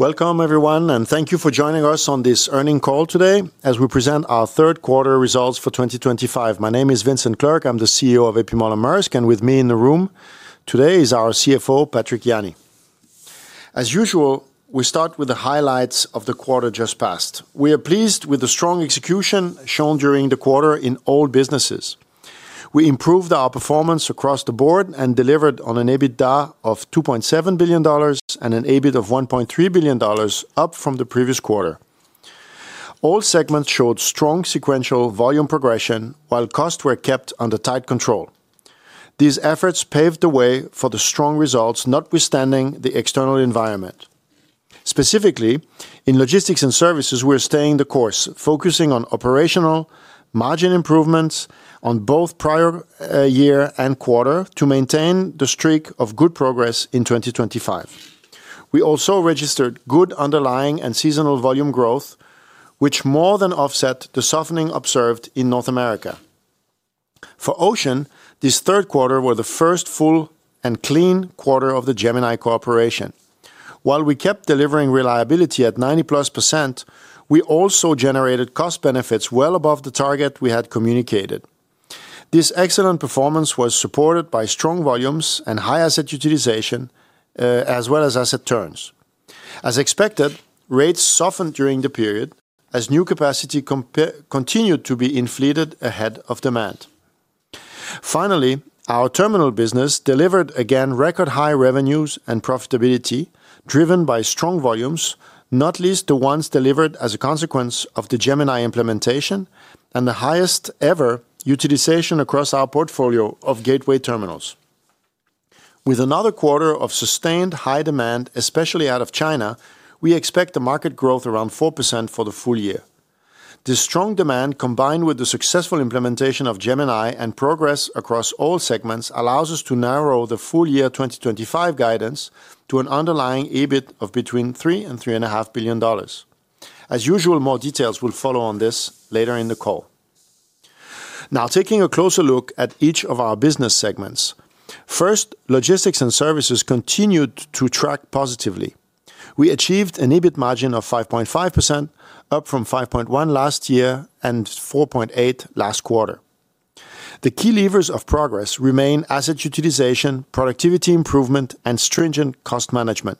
Welcome, everyone, and thank you for joining us on this earnings call today as we present our third quarter results for 2025. My name is Vincent Clerc. I'm the CEO of A.P. Møller - Maersk, and with me in the room today is our CFO, Patrick Jany. As usual, we start with the highlights of the quarter just passed. We are pleased with the strong execution shown during the quarter in all businesses. We improved our performance across the board and delivered on an EBITDA of $2.7 billion and an EBIT of $1.3 billion, up from the previous quarter. All segments showed strong sequential volume progression, while costs were kept under tight control. These efforts paved the way for the strong results, notwithstanding the external environment. Specifically, in Logistics & Services, we are staying the course, focusing on operational margin improvements on both prior year and quarter to maintain the streak of good progress in 2025. We also registered good underlying and seasonal volume growth, which more than offset the softening observed in North America. For Ocean, this third quarter was the first full and clean quarter of the Gemini network. While we kept delivering reliability at 90+%, we also generated cost benefits well above the target we had communicated. This excellent performance was supported by strong volumes and high asset utilization, as well as asset turns. As expected, rates softened during the period as new capacity continued to be inflated ahead of demand. Finally, our terminal business delivered again record high revenues and profitability driven by strong volumes, not least the ones delivered as a consequence of the Gemini implementation and the highest ever utilization across our portfolio of gateway terminals. With another quarter of sustained high demand, especially out of China, we expect the market growth around 4% for the full year. This strong demand, combined with the successful implementation of Gemini and progress across all segments, allows us to narrow the full year 2025 guidance to an underlying EBIT of between $3 billion-$3.5 billion. As usual, more details will follow on this later in the call. Now, taking a closer look at each of our business segments. First, Logistics & Services continued to track positively. We achieved an EBIT margin of 5.5%, up from 5.1% last year and 4.8% last quarter. The key levers of progress remain asset utilization, productivity improvement, and stringent cost management.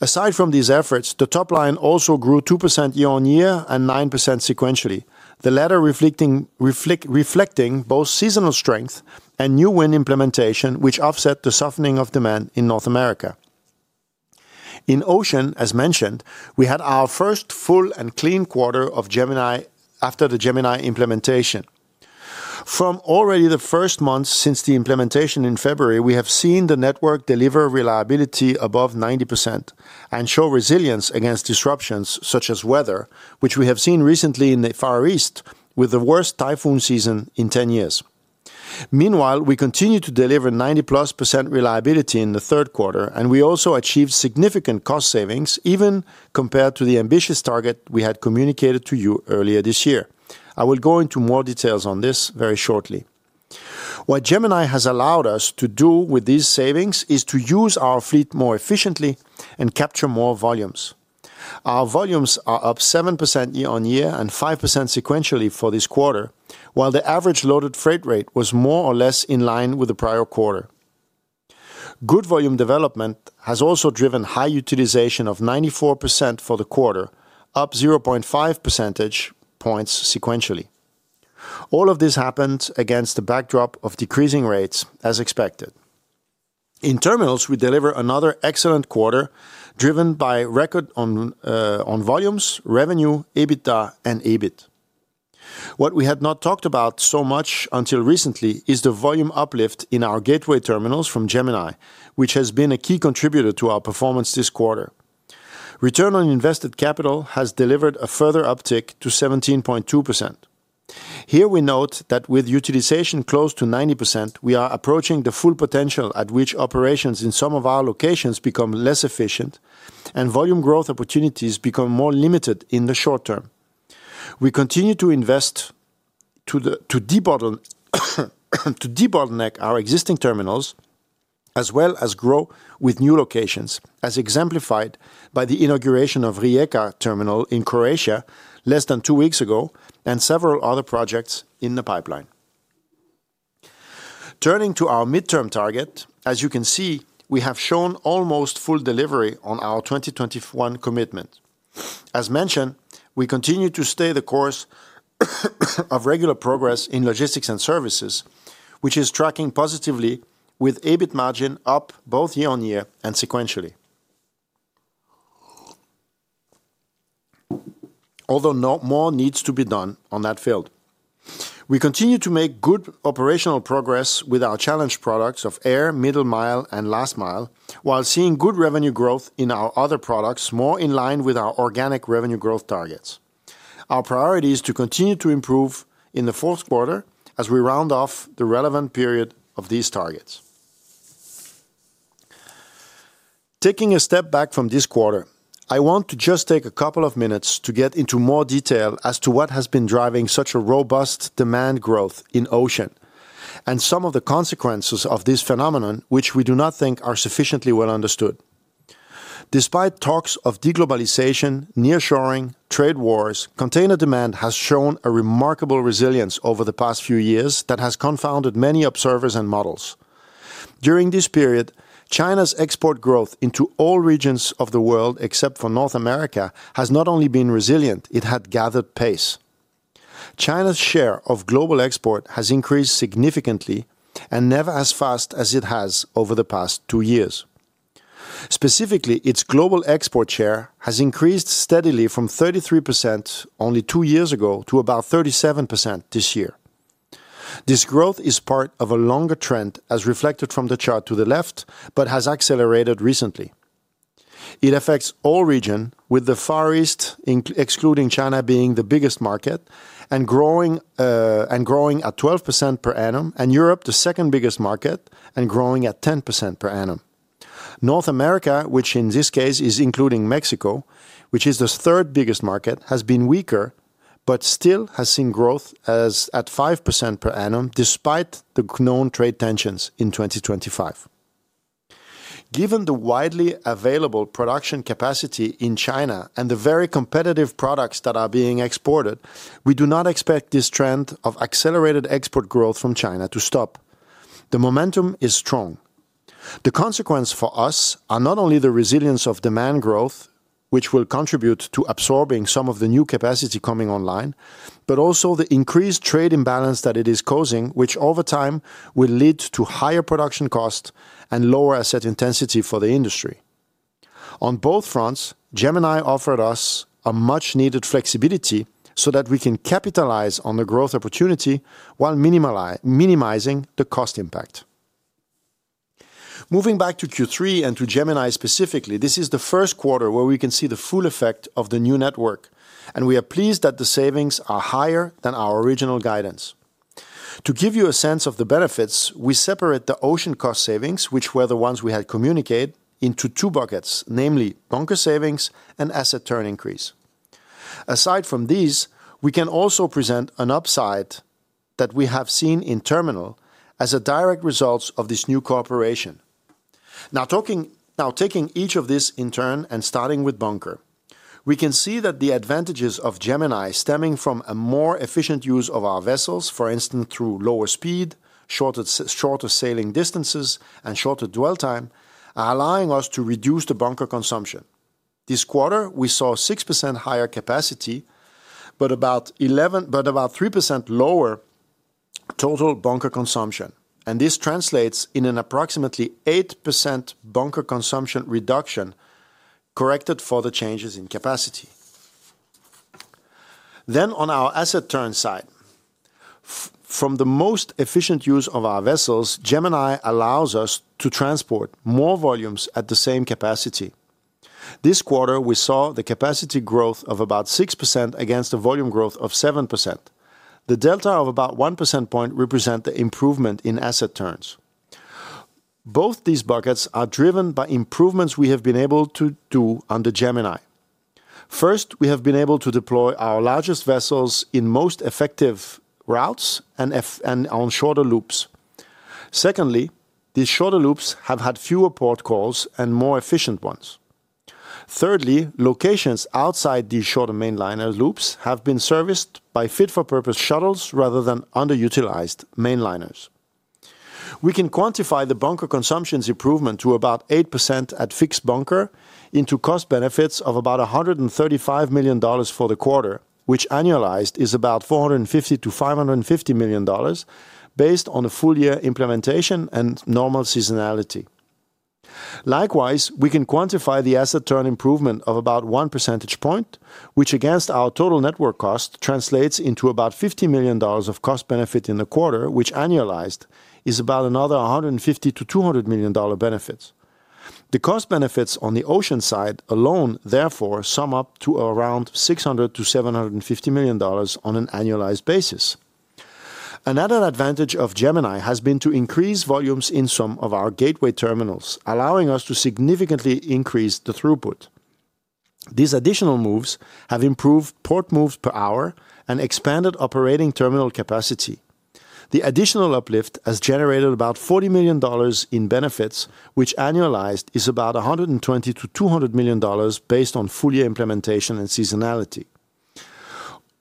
Aside from these efforts, the top line also grew 2% year-on-year and 9% sequentially, the latter reflecting both seasonal strength and new wind implementation, which offset the softening of demand in North America. In Ocean, as mentioned, we had our first full and clean quarter of Gemini after the Gemini implementation. From already the first month since the implementation in February, we have seen the network deliver reliability above 90% and show resilience against disruptions such as weather, which we have seen recently in the Far East with the worst typhoon season in 10 years. Meanwhile, we continue to deliver 90%+ reliability in the third quarter, and we also achieved significant cost savings even compared to the ambitious target we had communicated to you earlier this year. I will go into more details on this very shortly. What Gemini has allowed us to do with these savings is to use our fleet more efficiently and capture more volumes. Our volumes are up 7% year-on-year and 5% sequentially for this quarter, while the average loaded freight rate was more or less in line with the prior quarter. Good volume development has also driven high utilization of 94% for the quarter, up 0.5 percentage points sequentially. All of this happened against the backdrop of decreasing rates, as expected. In Terminals, we deliver another excellent quarter driven by record on. Volumes, revenue, EBITDA, and EBIT. What we had not talked about so much until recently is the volume uplift in our gateway terminals from Gemini, which has been a key contributor to our performance this quarter. Return on invested capital has delivered a further uptick to 17.2%. Here we note that with utilization close to 90%, we are approaching the full potential at which operations in some of our locations become less efficient and volume growth opportunities become more limited in the short term. We continue to invest to debottleneck our existing terminals as well as grow with new locations, as exemplified by the inauguration of Rijeka terminal in Croatia less than two weeks ago and several other projects in the pipeline. Turning to our midterm target, as you can see, we have shown almost full delivery on our 2021 commitment. As mentioned, we continue to stay the course of regular progress in Logistics & Services, which is tracking positively with EBIT margin up both year-on-year and sequentially. Although more needs to be done on that field. We continue to make good operational progress with our challenge products of air, middle mile, and last mile, while seeing good revenue growth in our other products more in line with our organic revenue growth targets. Our priority is to continue to improve in the fourth quarter as we round off the relevant period of these targets. Taking a step back from this quarter, I want to just take a couple of minutes to get into more detail as to what has been driving such a robust demand growth in Ocean and some of the consequences of this phenomenon, which we do not think are sufficiently well understood. Despite talks of deglobalization, nearshoring, trade wars, container demand has shown a remarkable resilience over the past few years that has confounded many observers and models. During this period, China's export growth into all regions of the world except for North America has not only been resilient, it had gathered pace. China's share of global export has increased significantly and never as fast as it has over the past two years. Specifically, its global export share has increased steadily from 33% only two years ago to about 37% this year. This growth is part of a longer trend as reflected from the chart to the left, but has accelerated recently. It affects all regions, with the Far East, excluding China, being the biggest market, and growing at 12% per annum, and Europe, the second biggest market, and growing at 10% per annum. North America, which in this case is including Mexico, which is the third biggest market, has been weaker but still has seen growth at 5% per annum despite the known trade tensions in 2025. Given the widely available production capacity in China and the very competitive products that are being exported, we do not expect this trend of accelerated export growth from China to stop. The momentum is strong. The consequence for us are not only the resilience of demand growth, which will contribute to absorbing some of the new capacity coming online, but also the increased trade imbalance that it is causing, which over time will lead to higher production costs and lower asset intensity for the industry. On both fronts, Gemini offered us a much-needed flexibility so that we can capitalize on the growth opportunity while minimizing the cost impact. Moving back to Q3 and to Gemini specifically, this is the first quarter where we can see the full effect of the new network, and we are pleased that the savings are higher than our original guidance. To give you a sense of the benefits, we separate the Ocean cost savings, which were the ones we had communicated, into two buckets, namely bunker savings and asset turn increase. Aside from these, we can also present an upside that we have seen in Terminals as a direct result of this new cooperation. Now. Taking each of these in turn and starting with bunker, we can see that the advantages of Gemini stemming from a more efficient use of our vessels, for instance, through lower speed, shorter sailing distances, and shorter dwell time, are allowing us to reduce the bunker consumption. This quarter, we saw 6% higher capacity, but about 3% lower total bunker consumption, and this translates in an approximately 8% bunker consumption reduction corrected for the changes in capacity. Then, on our asset turn side. From the most efficient use of our vessels, Gemini allows us to transport more volumes at the same capacity. This quarter, we saw the capacity growth of about 6% against a volume growth of 7%. The delta of about 1 percentage point represents the improvement in asset turns. Both these buckets are driven by improvements we have been able to do under Gemini. First, we have been able to deploy our largest vessels in most effective routes and on shorter loops. Secondly, these shorter loops have had fewer port calls and more efficient ones. Thirdly, locations outside these shorter mainliner loops have been serviced by fit-for-purpose shuttles rather than underutilized mainliners. We can quantify the bunker consumption's improvement to about 8% at fixed bunker into cost benefits of about $135 million for the quarter, which annualized is about $450 million-$550 million. Based on the full year implementation and normal seasonality. Likewise, we can quantify the asset turn improvement of about 1 percentage point, which against our total network cost translates into about $50 million of cost benefit in the quarter, which annualized is about another $150 million-$200 million benefits. The cost benefits on the Ocean side alone, therefore, sum up to around $600 million-$750 million on an annualized basis. Another advantage of Gemini has been to increase volumes in some of our gateway terminals, allowing us to significantly increase the throughput. These additional moves have improved port moves per hour and expanded operating terminal capacity. The additional uplift has generated about $40 million in benefits, which annualized is about $120 million-$200 million based on full year implementation and seasonality.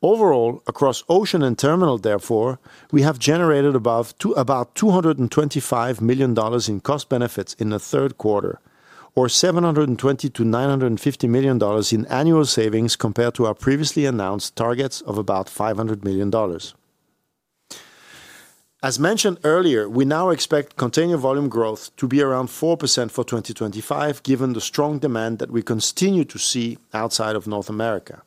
Overall, across Ocean and Terminals, therefore, we have generated about $225 million in cost benefits in the third quarter, or $720 million-$950 million in annual savings compared to our previously announced targets of about $500 million. As mentioned earlier, we now expect container volume growth to be around 4% for 2025, given the strong demand that we continue to see outside of North America.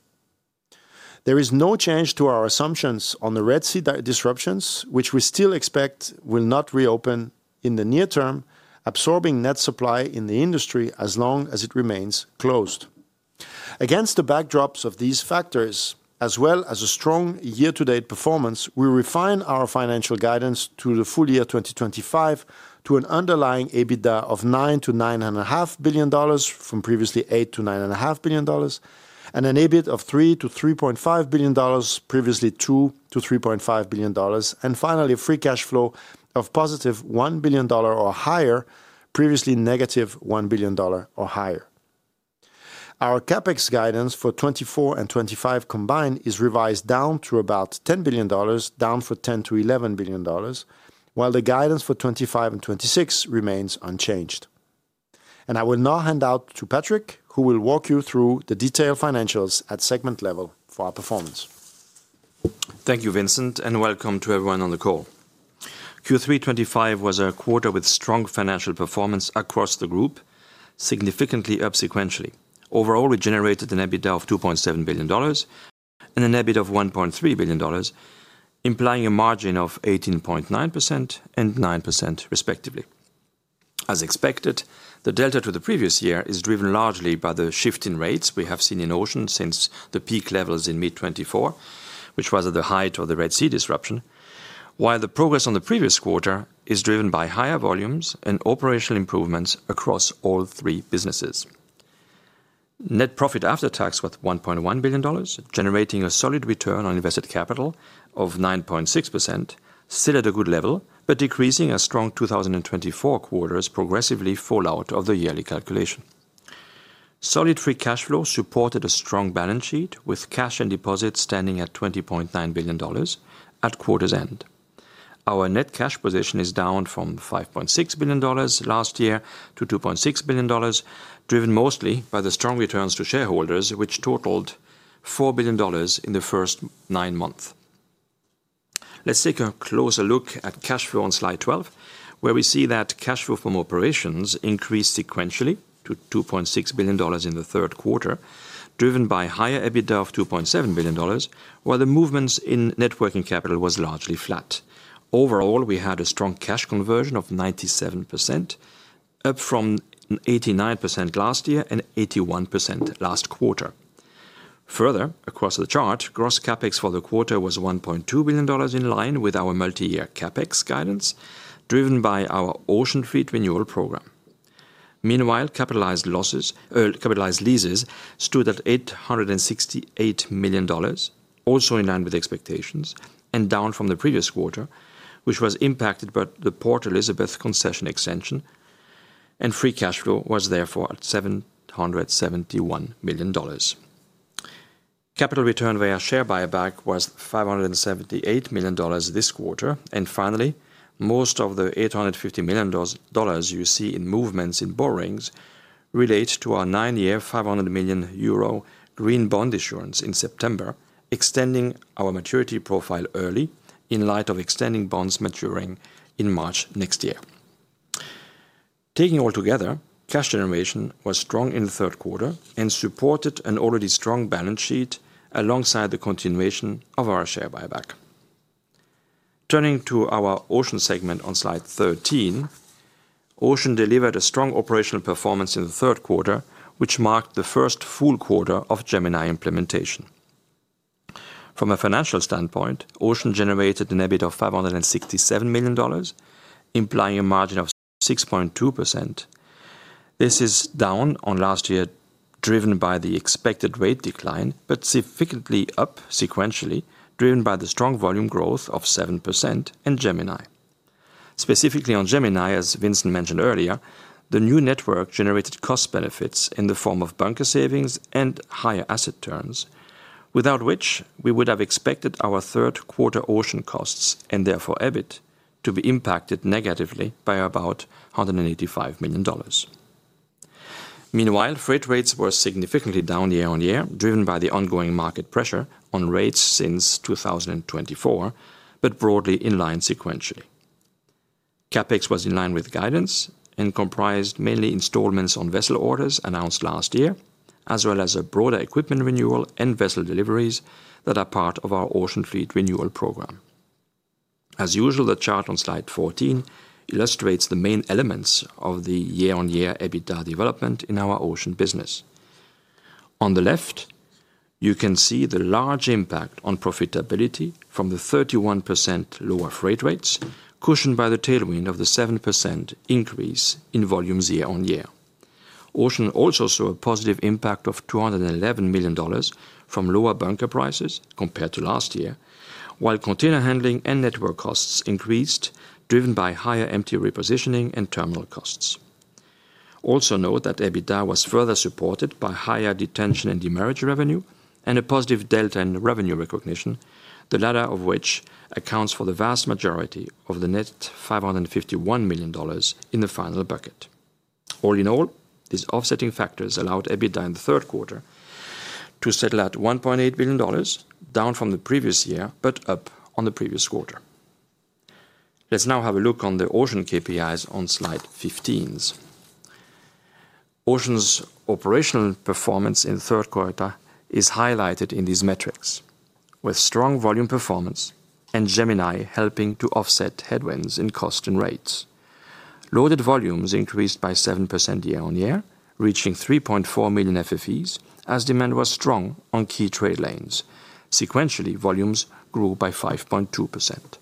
There is no change to our assumptions on the Red Sea disruptions, which we still expect will not reopen in the near term, absorbing net supply in the industry as long as it remains closed. Against the backdrops of these factors, as well as a strong year-to-date performance, we refine our financial guidance to the full year 2025 to an underlying EBITDA of $9 billion-$9.5 billion from previously $8 billion-$9.5 billion, and an EBIT of $3 billion-$3.5 billion, previously $2 billion-$3.5 billion, and finally, a free cash flow of +$1 billion or higher, previously -$1 billion or higher. Our CapEx guidance for 2024 and 2025 combined is revised down to about $10 billion, down from $10 billion-$11 billion, while the guidance for 2025 and 2026 remains unchanged. I will now hand out to Patrick, who will walk you through the detailed financials at segment level for our performance. Thank you, Vincent, and welcome to everyone on the call. Q3 2025 was a quarter with strong financial performance across the group, significantly up sequentially. Overall, we generated an EBITDA of $2.7 billion and an EBIT of $1.3 billion. Implying a margin of 18.9% and 9% respectively. As expected, the delta to the previous year is driven largely by the shift in rates we have seen in Ocean since the peak levels in mid-2024, which was at the height of the Red Sea disruption, while the progress on the previous quarter is driven by higher volumes and operational improvements across all three businesses. Net profit after tax was $1.1 billion, generating a solid return on invested capital of 9.6%, still at a good level, but decreasing as strong 2024 quarters progressively fall out of the yearly calculation. Solid free cash flow supported a strong balance sheet with cash and deposits standing at $20.9 billion at quarter's end. Our net cash position is down from $5.6 billion last year to $2.6 billion, driven mostly by the strong returns to shareholders, which totaled $4 billion in the first nine months. Let's take a closer look at cash flow on slide 12, where we see that cash flow from operations increased sequentially to $2.6 billion in the third quarter, driven by higher EBITDA of $2.7 billion, while the movements in net working capital were largely flat. Overall, we had a strong cash conversion of 97%, up from 89% last year and 81% last quarter. Further, across the chart, gross CapEx for the quarter was $1.2 billion in line with our multi-year CapEx guidance, driven by our Ocean Fleet renewal program. Meanwhile, capitalized. Leases stood at $868 million, also in line with expectations, and down from the previous quarter, which was impacted by the Port Elizabeth concession extension, and free cash flow was therefore at $771 million. Capital return via share buyback was $578 million this quarter, and finally, most of the EUR 850 million you see in movements in borrowings relates to our nine-year 500 million euro green bond issuance in September, extending our maturity profile early in light of extending bonds maturing in March next year. Taking it all together, cash generation was strong in the third quarter and supported an already strong balance sheet alongside the continuation of our share buyback. Turning to our Ocean segment on slide 13. Ocean delivered a strong operational performance in the third quarter, which marked the first full quarter of Gemini implementation. From a financial standpoint, Ocean generated an EBIT of $567 million, implying a margin of 6.2%. This is down on last year, driven by the expected rate decline, but significantly up sequentially, driven by the strong volume growth of 7% in Gemini. Specifically on Gemini, as Vincent mentioned earlier, the new network generated cost benefits in the form of bunker savings and higher asset turns, without which we would have expected our third quarter Ocean costs, and therefore EBIT, to be impacted negatively by about $185 million. Meanwhile, freight rates were significantly down year-on-year, driven by the ongoing market pressure on rates since 2024, but broadly in line sequentially. CapEx was in line with guidance and comprised mainly installments on vessel orders announced last year, as well as a broader equipment renewal and vessel deliveries that are part of our Ocean Fleet renewal program. As usual, the chart on slide 14 illustrates the main elements of the year-on-year EBITDA development in our Ocean business. On the left, you can see the large impact on profitability from the 31% lower freight rates, cushioned by the tailwind of the 7% increase in volumes year-on-year. Ocean also saw a positive impact of $211 million from lower bunker prices compared to last year, while container handling and network costs increased, driven by higher empty repositioning and terminal costs. Also note that EBITDA was further supported by higher detention and demurrage revenue and a positive delta in revenue recognition, the latter of which accounts for the vast majority of the net $551 million in the final bucket. All in all, these offsetting factors allowed EBITDA in the third quarter to settle at $1.8 billion, down from the previous year, but up on the previous quarter. Let's now have a look on the Ocean KPIs on slide 15. Ocean's operational performance in the third quarter is highlighted in these metrics, with strong volume performance and Gemini helping to offset headwinds in cost and rates. Loaded volumes increased by 7% year-on-year, reaching 3.4 million FFEs as demand was strong on key trade lanes. Sequentially, volumes grew by 5.2%.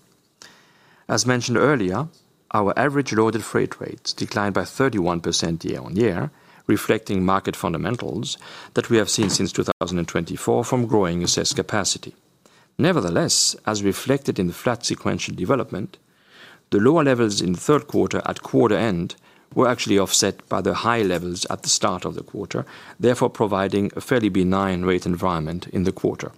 As mentioned earlier, our average loaded freight rates declined by 31% year-on-year, reflecting market fundamentals that we have seen since 2024 from growing assessed capacity. Nevertheless, as reflected in the flat sequential development, the lower levels in the third quarter at quarter end were actually offset by the high levels at the start of the quarter, therefore providing a fairly benign rate environment in the quarter.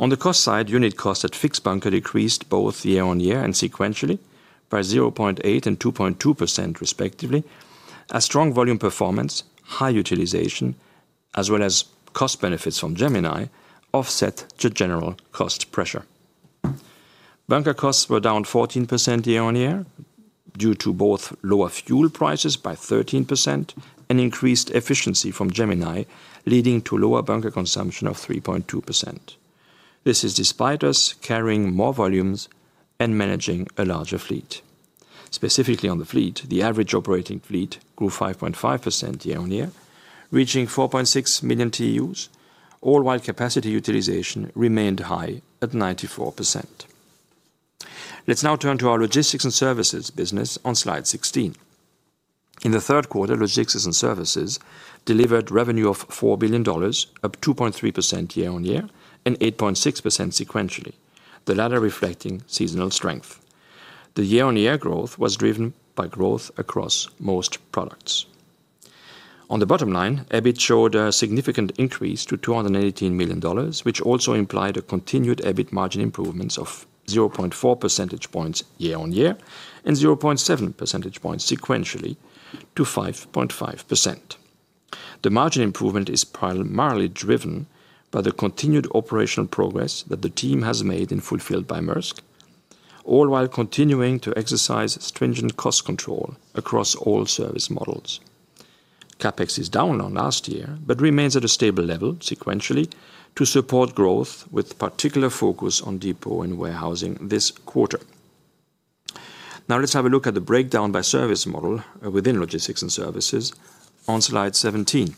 On the cost side, unit costs at fixed bunker decreased both year-on-year and sequentially by 0.8% and 2.2% respectively, as strong volume performance, high utilization, as well as cost benefits from Gemini offset the general cost pressure. Bunker costs were down 14% year-on-year due to both lower fuel prices by 13% and increased efficiency from Gemini, leading to lower bunker consumption of 3.2%. This is despite us carrying more volumes and managing a larger fleet. Specifically on the fleet, the average operating fleet grew 5.5% year-on-year, reaching 4.6 million TEU, all while capacity utilization remained high at 94%. Let's now turn to our Logistics & Services business on slide 16. In the third quarter, Logistics & Services delivered revenue of $4 billion, up 2.3% year-on-year and 8.6% sequentially, the latter reflecting seasonal strength. The year-on-year growth was driven by growth across most products. On the bottom line, EBIT showed a significant increase to $218 million, which also implied a continued EBIT margin improvement of 0.4 percentage points year-on-year and 0.7 percentage points sequentially to 5.5%. The margin improvement is primarily driven by the continued operational progress that the team has made in Fulfilled by Maersk, all while continuing to exercise stringent cost control across all service models. CapEx is down last year but remains at a stable level sequentially to support growth, with particular focus on depot and warehousing this quarter. Now, let's have a look at the breakdown by service model within Logistics & Services on slide 17.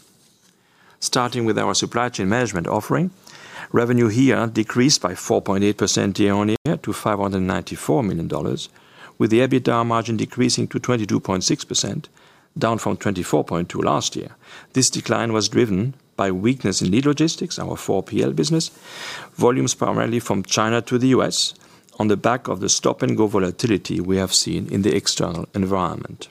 Starting with our supply chain management offering, revenue here decreased by 4.8% year-on-year to $594 million, with the EBITDA margin decreasing to 22.6%, down from 24.2% last year. This decline was driven by weakness in lead logistics, our 4PL business, volumes primarily from China to the U.S., on the back of the stop-and-go volatility we have seen in the external environment.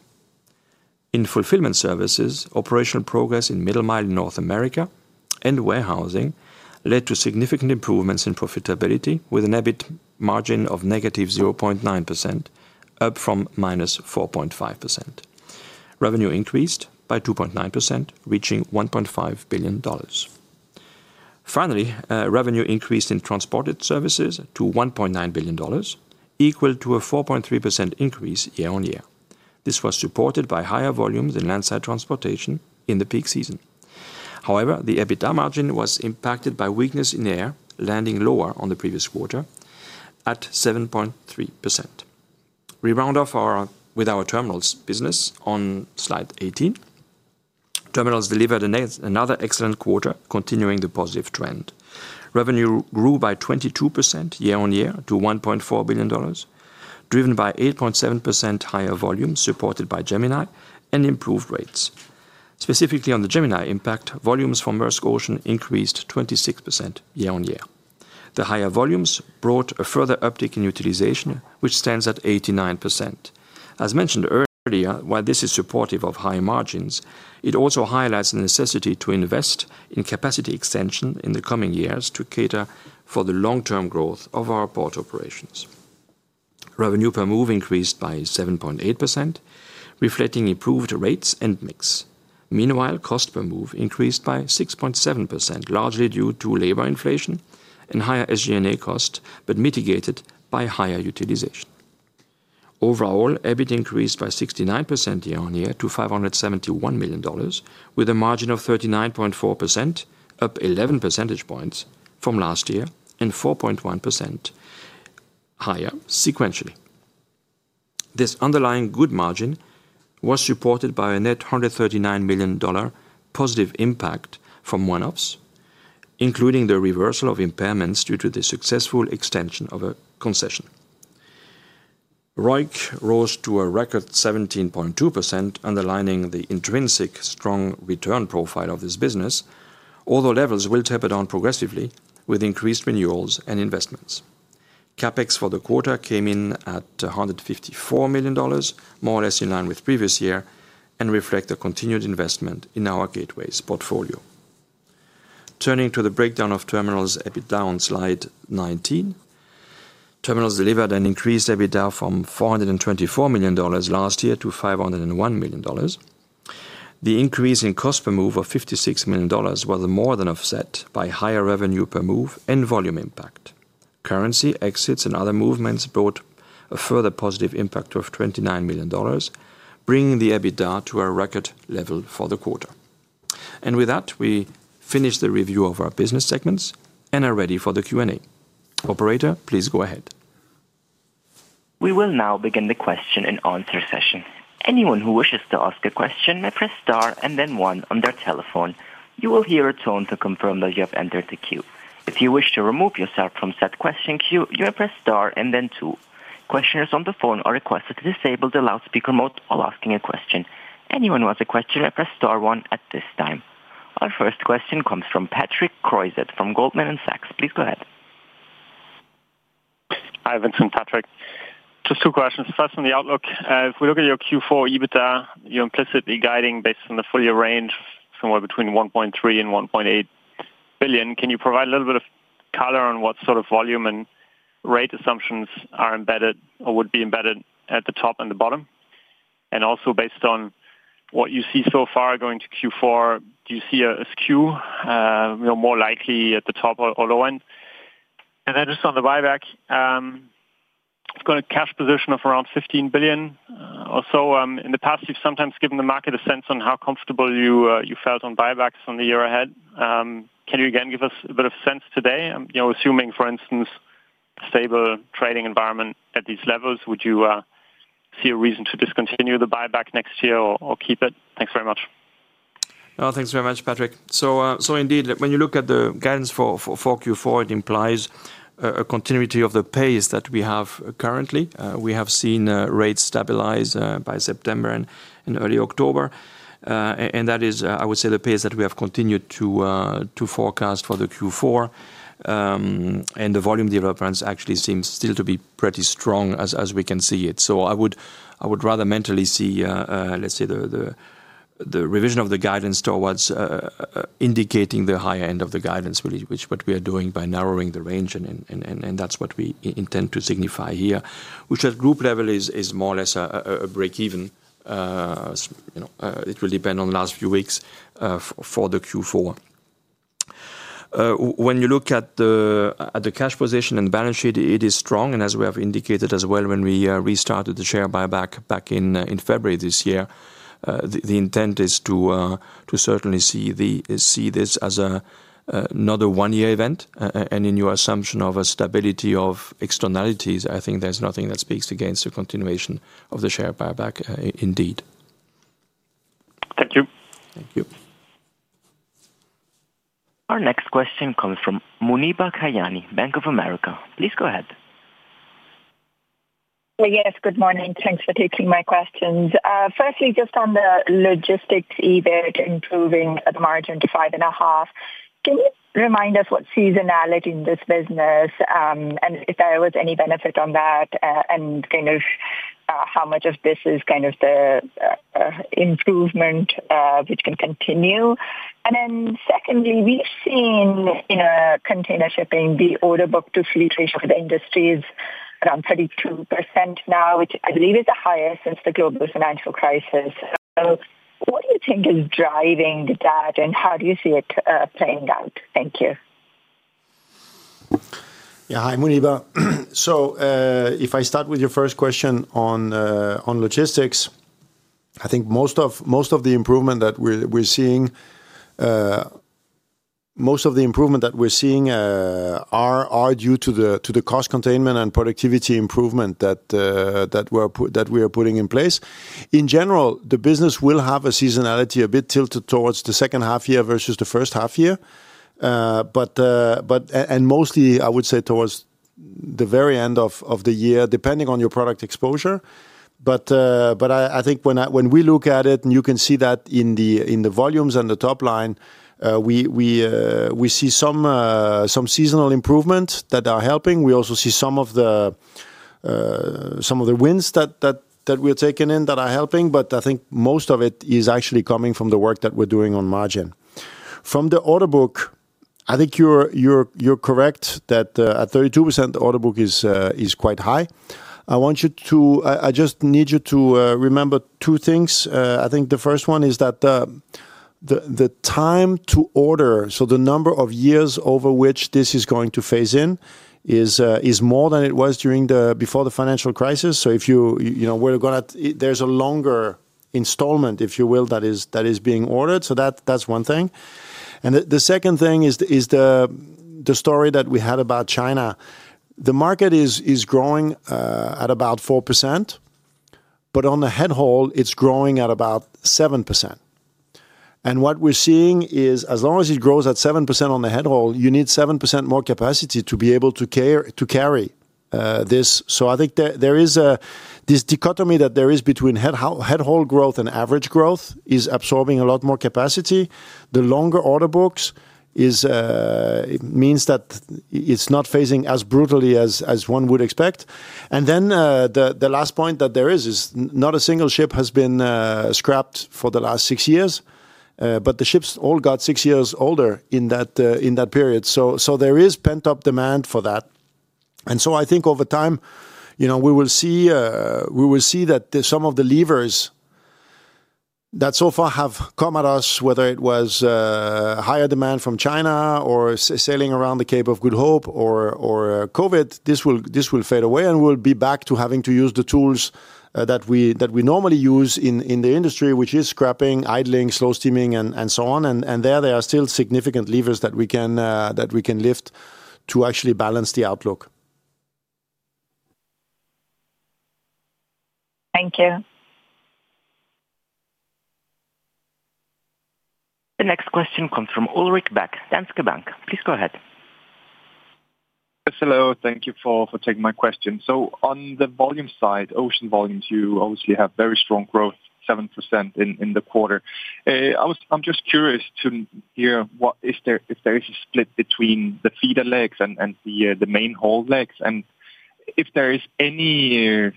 In fulfillment services, operational progress in middle mile North America and warehousing led to significant improvements in profitability, with an EBIT margin of -0.9%, up from -4.5%. Revenue increased by 2.9%, reaching $1.5 billion. Finally, revenue increased in transported services to $1.9 billion, equal to a 4.3% increase year-on-year. This was supported by higher volumes in landside transportation in the peak season. However, the EBITDA margin was impacted by weakness in air, landing lower on the previous quarter at 7.3%. We round off with our Terminals business on slide 18. Terminals delivered another excellent quarter, continuing the positive trend. Revenue grew by 22% year-on-year to $1.4 billion, driven by 8.7% higher volumes supported by Gemini and improved rates. Specifically on the Gemini impact, volumes from Maersk Ocean increased 26% year-on-year. The higher volumes brought a further uptick in utilization, which stands at 89%. As mentioned earlier, while this is supportive of high margins, it also highlights the necessity to invest in capacity extension in the coming years to cater for the long-term growth of our port operations. Revenue per move increased by 7.8%, reflecting improved rates and mix. Meanwhile, cost per move increased by 6.7%, largely due to labor inflation and higher SG&A costs, but mitigated by higher utilization. Overall, EBIT increased by 69% year-on-year to $571 million, with a margin of 39.4%, up 11 percentage points from last year and 4.1% higher sequentially. This underlying good margin was supported by a net $139 million. Positive impact from one-offs, including the reversal of impairments due to the successful extension of a concession. ROIC rose to a record 17.2%, underlining the intrinsic strong return profile of this business. Although levels will taper down progressively with increased renewals and investments. CapEx for the quarter came in at $154 million, more or less in line with previous year, and reflects the continued investment in our gateway's portfolio. Turning to the breakdown of Terminals EBITDA on slide 19. Terminals delivered an increased EBITDA from $424 million last year to $501 million. The increase in cost per move of $56 million was more than offset by higher revenue per move and volume impact. Currency, exits, and other movements brought a further positive impact of $29 million, bringing the EBITDA to a record level for the quarter. With that, we finish the review of our business segments and are ready for the Q&A. Operator, please go ahead. We will now begin the question-and-answer session. Anyone who wishes to ask a question may press star and then one on their telephone. You will hear a tone to confirm that you have entered the queue. If you wish to remove yourself from said question queue, you may press star and then two. Questioners on the phone are requested to disable the loudspeaker mode while asking a question. Anyone who has a question may press star one at this time. Our first question comes from Patrick Creuset from Goldman Sachs. Please go ahead. Hi, Vincent, Patrick. Just two questions. First, on the outlook, if we look at your Q4 EBITDA, you're implicitly guiding based on the full year range somewhere between $1.3 billion-$1.8 billion. Can you provide a little bit of color on what sort of volume and rate assumptions are embedded or would be embedded at the top and the bottom? Also, based on what you see so far going to Q4, do you see a skew more likely at the top or low end? Just on the buyback, it's got a cash position of around $15 billion or so. In the past, you've sometimes given the market a sense on how comfortable you felt on buybacks on the year ahead. Can you again give us a bit of sense today? Assuming, for instance, a stable trading environment at these levels, would you. See a reason to discontinue the buyback next year or keep it? Thanks very much. No, thanks very much, Patrick. So indeed, when you look at the guidance for Q4, it implies a continuity of the pace that we have currently. We have seen rates stabilize by September and early October. That is, I would say, the pace that we have continued to forecast for the Q4. The volume developments actually seem still to be pretty strong as we can see it. I would rather mentally see, let's say, the revision of the guidance towards indicating the higher end of the guidance, which is what we are doing by narrowing the range, and that's what we intend to signify here, which at group level is more or less a break-even. It will depend on the last few weeks for the Q4. When you look at the cash position and balance sheet, it is strong. As we have indicated as well when we restarted the share buyback back in February this year, the intent is to certainly see this as another one-year event. In your assumption of a stability of externalities, I think there is nothing that speaks against the continuation of the share buyback indeed. Thank you. Thank you. Our next question comes from Muneeba Kayani, Bank of America. Please go ahead. Yes, good morning. Thanks for taking my questions. Firstly, just on the logistics EBIT improving at a margin of 5.5%, can you remind us what seasonality in this business. And if there was any benefit on that, and kind of how much of this is kind of the improvement which can continue? Then secondly, we've seen in container shipping the order book to fleet ratio for the industry is around 32% now, which I believe is the highest since the global financial crisis. What do you think is driving that, and how do you see it playing out? Thank you. Yeah, hi, Muneeba. If I start with your first question on Logistics, I think most of the improvement that we're seeing is due to the cost containment and productivity improvement that we are putting in place. In general, the business will have a seasonality a bit tilted towards the second half year versus the first half year. Mostly, I would say, towards the very end of the year, depending on your product exposure. I think when we look at it, and you can see that in the volumes and the top line, we see some seasonal improvements that are helping. We also see some of the wins that we're taking in that are helping. I think most of it is actually coming from the work that we're doing on margin. From the order book, I think you're correct that at 32%, the order book is quite high. I want you to, I just need you to remember two things. I think the first one is that the time to order, so the number of years over which this is going to phase in, is more than it was before the financial crisis. If you were to go at, there's a longer installment, if you will, that is being ordered. That's one thing. The second thing is the story that we had about China. The market is growing at about 4%. On the head haul, it's growing at about 7%. What we're seeing is, as long as it grows at 7% on the head haul, you need 7% more capacity to be able to carry this. I think there is this dichotomy that there is between head haul growth and average growth is absorbing a lot more capacity. The longer order books means that it's not phasing as brutally as one would expect. The last point that there is, is not a single ship has been scrapped for the last six years, but the ships all got six years older in that period. There is pent-up demand for that. I think over time, we will see that some of the levers that so far have come at us, whether it was higher demand from China or sailing around the Cape of Good Hope or COVID, this will fade away and we'll be back to having to use the tools that we normally use in the industry, which is scrapping, idling, slow steaming, and so on. There are still significant levers that we can lift to actually balance the outlook. Thank you. The next question comes from Ulrik Bak, Danske Bank. Please go ahead. Hello, thank you for taking my question. On the volume side, ocean volumes, you obviously have very strong growth, 7% in the quarter. I'm just curious to hear if there is a split between the feeder legs and the main haul legs, and if there is any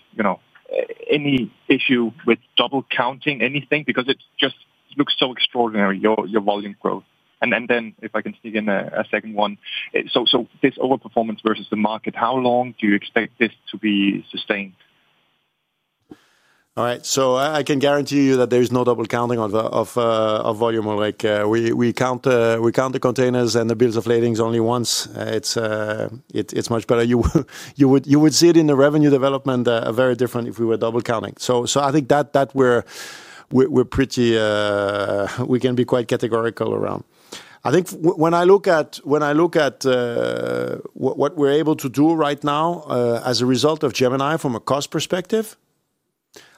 issue with double counting anything, because it just looks so extraordinary, your volume growth. If I can sneak in a second one, this overperformance versus the market, how long do you expect this to be sustained? All right, I can guarantee you that there is no double counting of volume. We count the containers and the bills of lading only once. It is much better. You would see it in the revenue development very differently if we were double counting. I think that we can be quite categorical around that. I think when I look at what we are able to do right now as a result of Gemini from a cost perspective,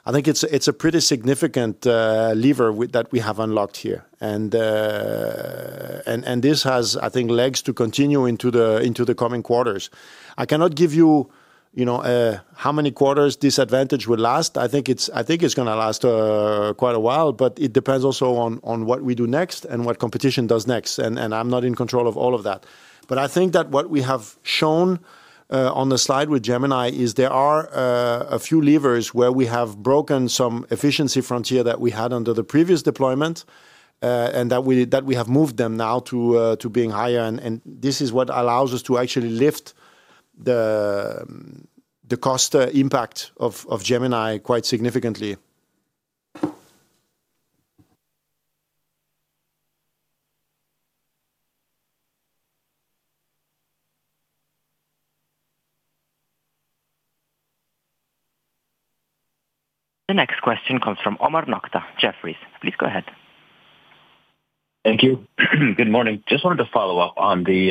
I think it is a pretty significant lever that we have unlocked here. This has, I think, legs to continue into the coming quarters. I cannot give you how many quarters this advantage will last. I think it is going to last quite a while, but it depends also on what we do next and what competition does next. I am not in control of all of that. I think that what we have shown on the slide with Gemini is there are a few levers where we have broken some efficiency frontier that we had under the previous deployment. We have moved them now to being higher. This is what allows us to actually lift the cost impact of Gemini quite significantly. The next question comes from Omar Nokta, Jefferies. Please go ahead. Thank you. Good morning. Just wanted to follow up on the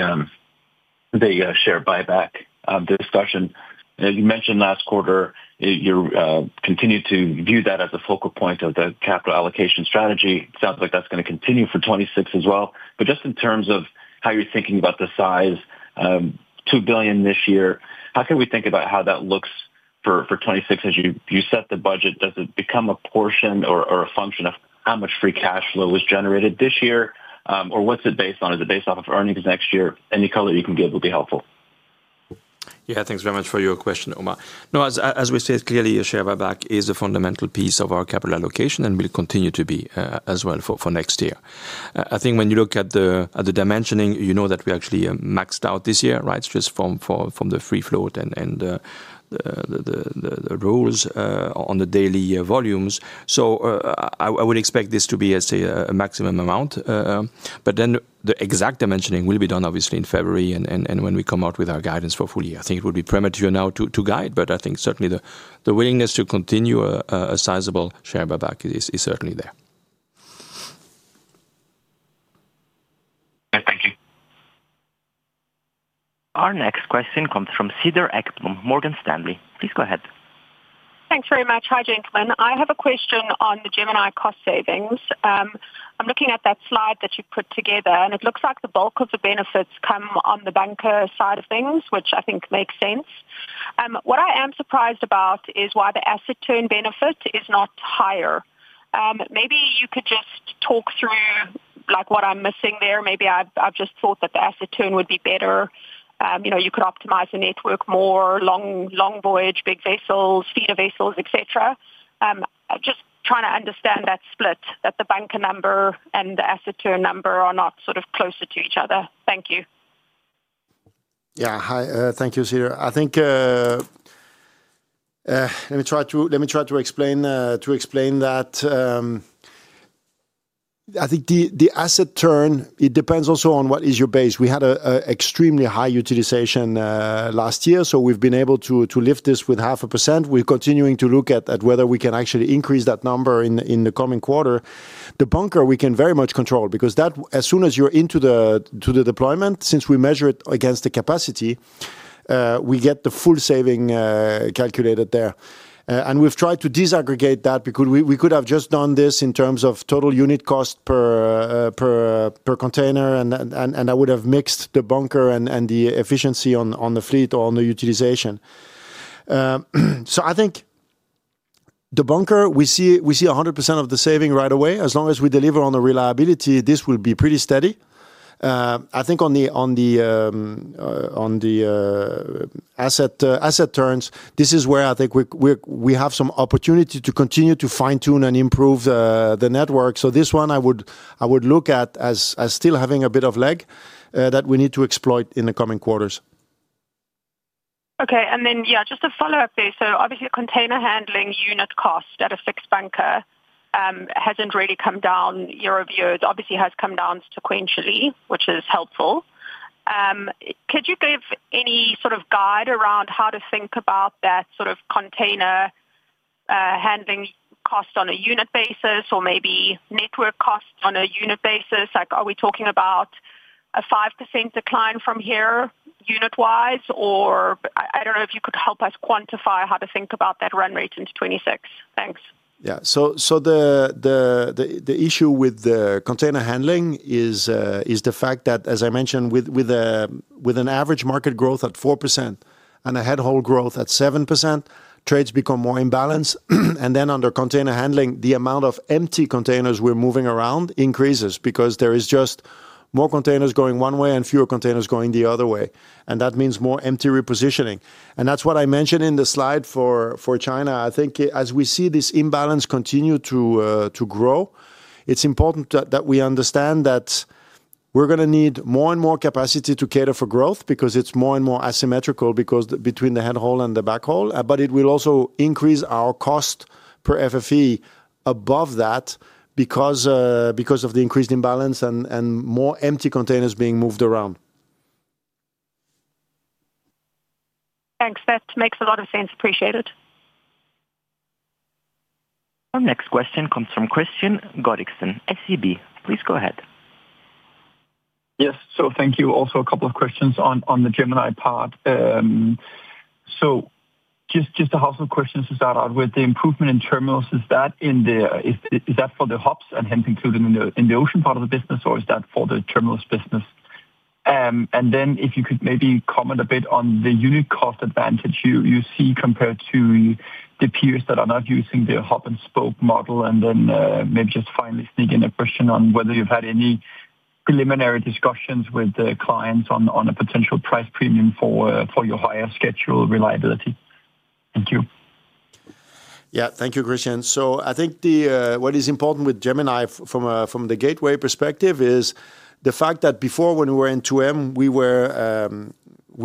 share buyback discussion. As you mentioned last quarter, you continued to view that as a focal point of the capital allocation strategy. It sounds like that's going to continue for 2026 as well. Just in terms of how you're thinking about the size, $2 billion this year, how can we think about how that looks for 2026 as you set the budget? Does it become a portion or a function of how much free cash flow was generated this year? Or what's it based on? Is it based off of earnings next year? Any color you can give will be helpful. Yeah, thanks very much for your question, Omar. No, as we said, clearly, share buyback is a fundamental piece of our capital allocation and will continue to be as well for next year. I think when you look at the dimensioning, you know that we actually maxed out this year, right? Just from the free float and the rules on the daily volumes. I would expect this to be, let's say, a maximum amount. The exact dimensioning will be done, obviously, in February and when we come out with our guidance for fully. I think it would be premature now to guide, but I think certainly the willingness to continue a sizable share buyback is certainly there. Thank you. Our next question comes from Cedar Ekblom, Morgan Stanley. Please go ahead. Thanks very much. Hi, gentlemen. I have a question on the Gemini cost savings. I'm looking at that slide that you put together, and it looks like the bulk of the benefits come on the bunker side of things, which I think makes sense. What I am surprised about is why the asset turn benefit is not higher. Maybe you could just talk through what I'm missing there. Maybe I've just thought that the asset turn would be better. You could optimize the network more, long voyage, big vessels, feeder vessels, et cetera. Just trying to understand that split, that the bunker number and the asset turn number are not sort of closer to each other. Thank you. Yeah, hi, thank you, Cedar. I think. Let me try to explain that. I think the asset turn, it depends also on what is your base. We had an extremely high utilization last year, so we've been able to lift this with half a percent. We're continuing to look at whether we can actually increase that number in the coming quarter. The bunker, we can very much control, because as soon as you're into the deployment, since we measure it against the capacity, we get the full saving calculated there. We've tried to disaggregate that because we could have just done this in terms of total unit cost per container, and that would have mixed the bunker and the efficiency on the fleet or on the utilization. I think the bunker, we see 100% of the saving right away. As long as we deliver on the reliability, this will be pretty steady. I think on the asset turns, this is where I think we have some opportunity to continue to fine-tune and improve the network. This one, I would look at as still having a bit of leg that we need to exploit in the coming quarters. Okay, and then, yeah, just to follow up there. Obviously, the container handling unit cost at a fixed bunker has not really come down. Your view is obviously it has come down sequentially, which is helpful. Could you give any sort of guide around how to think about that sort of container handling cost on a unit basis or maybe network cost on a unit basis? Are we talking about a 5% decline from here unit-wise? I do not know if you could help us quantify how to think about that run rate into 2026. Thanks. Yeah, so. The issue with the container handling is the fact that, as I mentioned, with an average market growth at 4% and a head haul growth at 7%, trades become more imbalanced. Under container handling, the amount of empty containers we're moving around increases because there is just more containers going one way and fewer containers going the other way. That means more empty repositioning. That's what I mentioned in the slide for China. I think as we see this imbalance continue to grow, it's important that we understand that we're going to need more and more capacity to cater for growth because it's more and more asymmetrical between the head haul and the back haul. It will also increase our cost per FFE above that because of the increased imbalance and more empty containers being moved around. Thanks. That makes a lot of sense. Appreciate it. Our next question comes from Kristian Godiksen, SEB. Please go ahead. Yes, thank you. Also, a couple of questions on the Gemini part. Just a household question to start out with. The improvement in Terminals, is that for the hubs and hem included in the Ocean part of the business, or is that for the Terminals business? If you could maybe comment a bit on the unit cost advantage you see compared to the peers that are not using the hub and spoke model. Maybe just finally sneak in a question on whether you've had any preliminary discussions with the clients on a potential price premium for your higher schedule reliability. Thank you. Yeah, thank you, Christian. I think what is important with Gemini from the gateway perspective is the fact that before, when we were in 2M, we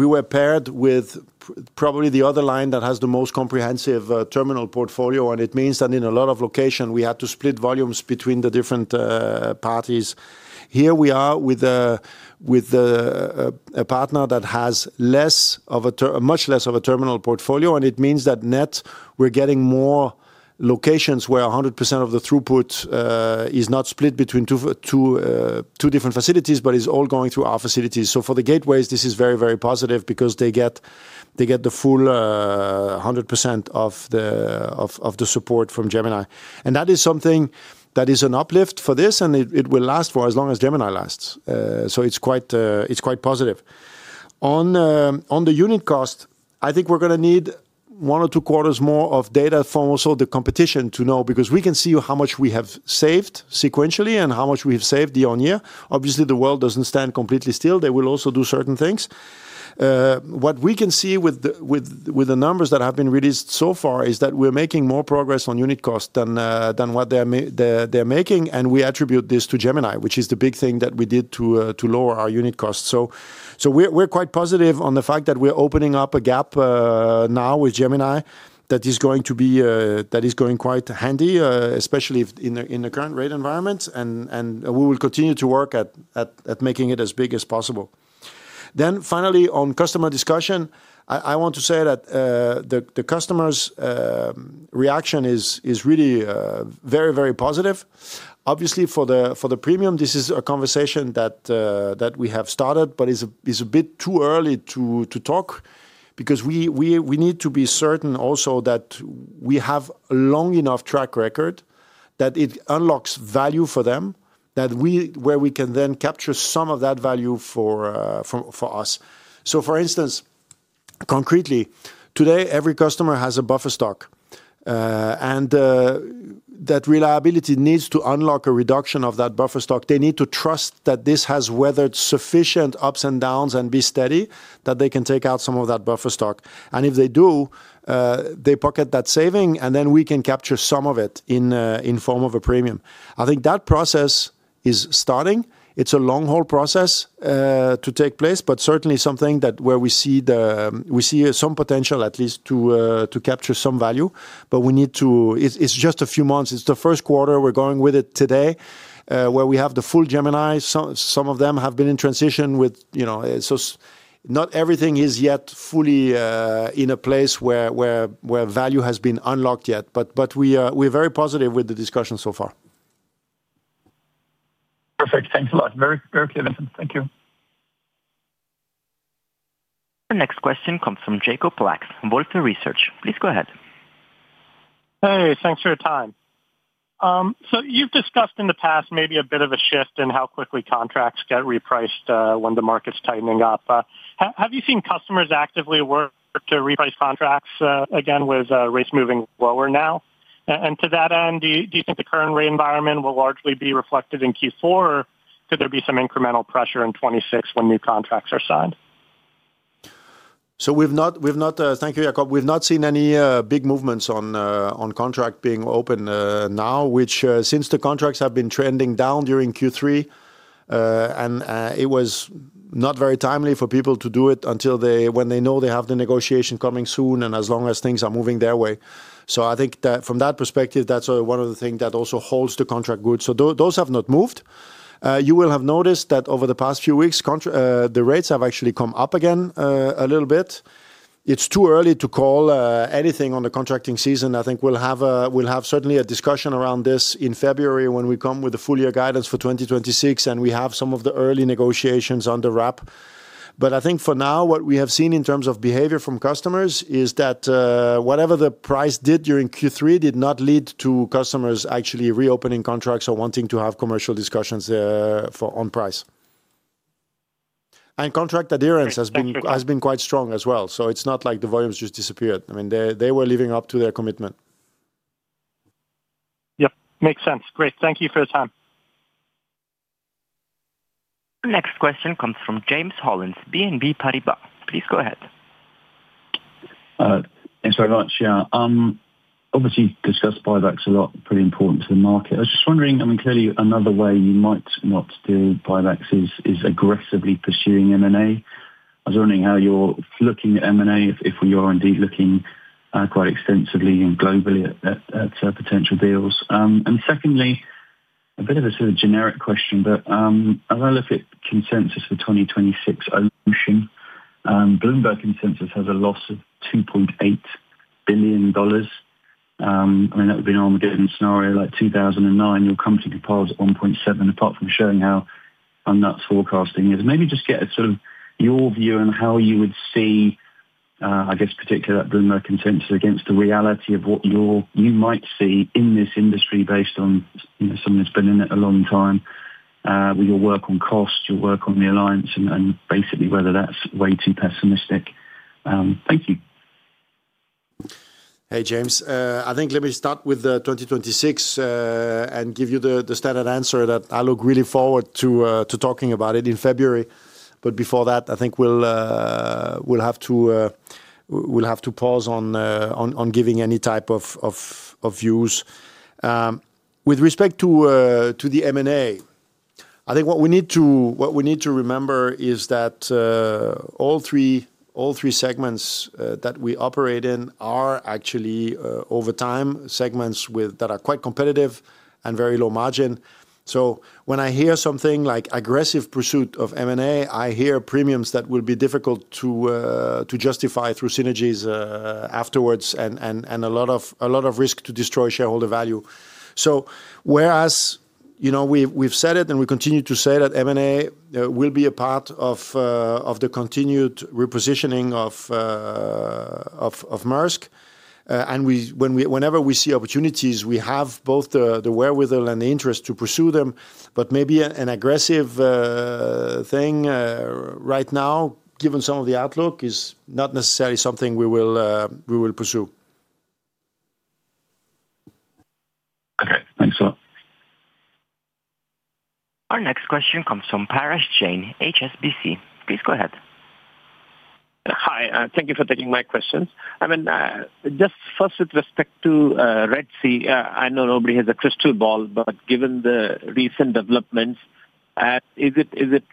were paired with probably the other line that has the most comprehensive terminal portfolio. It means that in a lot of locations, we had to split volumes between the different parties. Here we are with a partner that has much less of a terminal portfolio, and it means that net, we're getting more locations where 100% of the throughput is not split between two different facilities, but it's all going through our facilities. For the gateways, this is very, very positive because they get the full 100% of the support from Gemini. That is something that is an uplift for this, and it will last for as long as Gemini lasts. It is quite positive. On the unit cost, I think we're going to need one or two quarters more of data from also the competition to know, because we can see how much we have saved sequentially and how much we have saved year-on-year. Obviously, the world doesn't stand completely still. They will also do certain things. What we can see with the numbers that have been released so far is that we're making more progress on unit cost than what they're making. We attribute this to Gemini, which is the big thing that we did to lower our unit costs. We are quite positive on the fact that we're opening up a gap now with Gemini that is going to be, that is going quite handy, especially in the current rate environment. We will continue to work at making it as big as possible. Finally, on customer discussion, I want to say that the customer's reaction is really very, very positive. Obviously, for the premium, this is a conversation that we have started, but it's a bit too early to talk because we need to be certain also that we have a long enough track record that it unlocks value for them, where we can then capture some of that value for us. For instance, concretely, today, every customer has a buffer stock. That reliability needs to unlock a reduction of that buffer stock. They need to trust that this has weathered sufficient ups and downs and be steady, that they can take out some of that buffer stock. If they do, they pocket that saving, and then we can capture some of it in form of a premium. I think that process is starting. It's a long-haul process. To take place, but certainly something where we see some potential, at least, to capture some value. We need to, it's just a few months. It's the first quarter we're going with it today, where we have the full Gemini. Some of them have been in transition with, so not everything is yet fully in a place where value has been unlocked yet. We are very positive with the discussion so far. Perfect. Thanks a lot. Very clear answers. Thank you. The next question comes from Jacob Lacks, Wolfe Research. Please go ahead. Hey, thanks for your time. You've discussed in the past maybe a bit of a shift in how quickly contracts get repriced when the market's tightening up. Have you seen customers actively work to reprice contracts again with rates moving lower now? To that end, do you think the current rate environment will largely be reflected in Q4, or could there be some incremental pressure in 2026 when new contracts are signed? Thank you, Jacob. We've not seen any big movements on contract being open now, which, since the contracts have been trending down during Q3, and it was not very timely for people to do it until when they know they have the negotiation coming soon and as long as things are moving their way. I think that from that perspective, that's one of the things that also holds the contract good. Those have not moved. You will have noticed that over the past few weeks, the rates have actually come up again a little bit. It's too early to call anything on the contracting season. I think we'll have certainly a discussion around this in February when we come with the full year guidance for 2026, and we have some of the early negotiations under wrap. I think for now, what we have seen in terms of behavior from customers is that whatever the price did during Q3 did not lead to customers actually reopening contracts or wanting to have commercial discussions on price. Contract adherence has been quite strong as well. It's not like the volumes just disappeared. I mean, they were living up to their commitment. Yep, makes sense. Great. Thank you for your time. Next question comes from James Hollins, BNP Paribas. Please go ahead. Thanks very much, yeah. Obviously, discussed buybacks are pretty important to the market. I was just wondering, I mean, clearly, another way you might not do buybacks is aggressively pursuing M&A. I was wondering how you're looking at M&A if you are indeed looking quite extensively and globally at potential deals. Secondly, a bit of a sort of generic question, but I've got a little bit of consensus for 2026 ownership. Bloomberg Consensus has a loss of $2.8 billion. I mean, that would be an Armageddon scenario. Like 2009, your company could pose at $1.7 billion, apart from showing how nuts forecasting is. Maybe just get a sort of your view on how you would see. I guess, particularly that Bloomberg Consensus against the reality of what you might see in this industry based on someone who's been in it a long time, with your work on cost, your work on the alliance, and basically whether that's way too pessimistic. Thank you. Hey, James. I think let me start with 2026. I give you the standard answer that I look really forward to talking about it in February. Before that, I think we'll have to pause on giving any type of views. With respect to the M&A, I think what we need to remember is that all three segments that we operate in are actually, over time, segments that are quite competitive and very low margin. When I hear something like aggressive pursuit of M&A, I hear premiums that will be difficult to justify through synergies afterwards and a lot of risk to destroy shareholder value. Whereas we've said it and we continue to say that M&A will be a part of the continued repositioning of Maersk, and whenever we see opportunities, we have both the wherewithal and the interest to pursue them. Maybe an aggressive. Thing right now, given some of the outlook, is not necessarily something we will pursue. Okay, thanks a lot. Our next question comes from Paresh Jain, HSBC. Please go ahead. Hi, thank you for taking my questions. I mean, just first, with respect to Red Sea, I know nobody has a crystal ball, but given the recent developments, is it?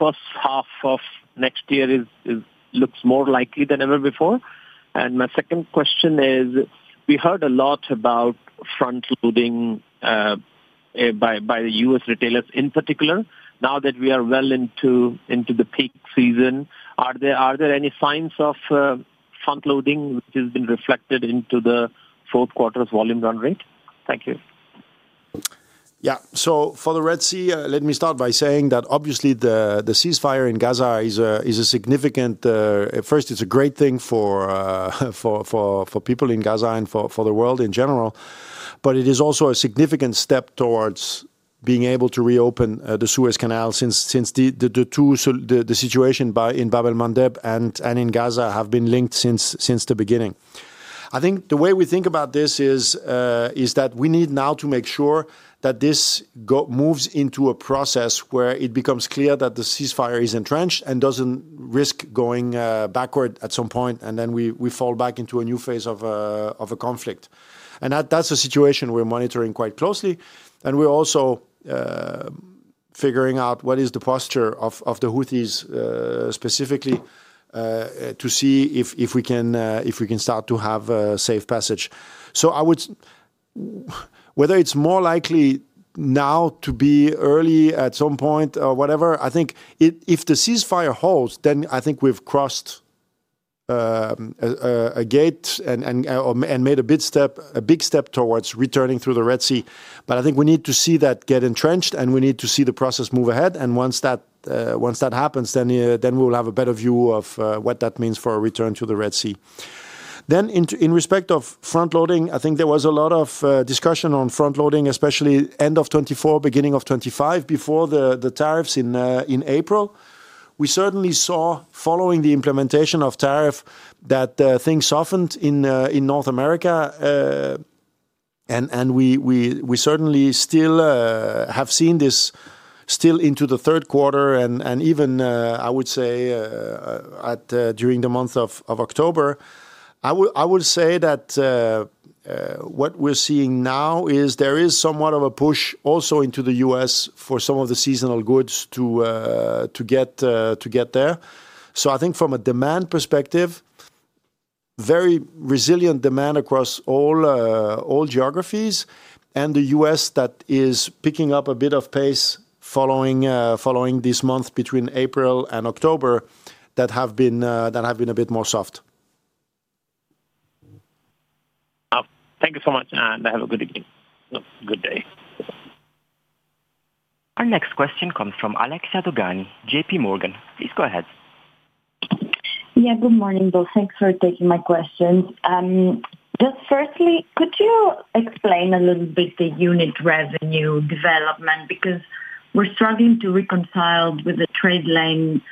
First half of next year looks more likely than ever before. My second question is, we heard a lot about front-loading by the US retailers in particular. Now that we are well into the peak season, are there any signs of front-loading which has been reflected into the fourth quarter's volume run rate? Thank you. Yeah, so for the Red Sea, let me start by saying that obviously the ceasefire in Gaza is a significant, first, it's a great thing for people in Gaza and for the world in general, but it is also a significant step towards being able to reopen the Suez Canal since the situation in Bab el-Mandeb and in Gaza have been linked since the beginning. I think the way we think about this is that we need now to make sure that this moves into a process where it becomes clear that the ceasefire is entrenched and doesn't risk going backward at some point, and we fall back into a new phase of a conflict. That is a situation we're monitoring quite closely. We're also figuring out what is the posture of the Houthis specifically to see if we can start to have a safe passage. I would. Whether it's more likely now to be early at some point or whatever, I think if the ceasefire holds, then I think we've crossed a gate and made a big step towards returning through the Red Sea. I think we need to see that get entrenched, and we need to see the process move ahead. Once that happens, then we will have a better view of what that means for a return to the Red Sea. In respect of front-loading, I think there was a lot of discussion on front-loading, especially end of 2024, beginning of 2025, before the tariffs in April. We certainly saw, following the implementation of tariff, that things softened in North America. We certainly still have seen this still into the third quarter and even, I would say, during the month of October. I will say that. What we're seeing now is there is somewhat of a push also into the U.S. for some of the seasonal goods to get there. I think from a demand perspective, very resilient demand across all geographies and the U.S. that is picking up a bit of pace following this month between April and October that have been a bit more soft. Thank you so much, and have a good evening. Good day. Our next question comes from Alexia Dogani, JP Morgan. Please go ahead. Yeah, good morning, Bill. Thanks for taking my questions. Just firstly, could you explain a little bit the unit revenue development? Because we're struggling to reconcile with the trade lane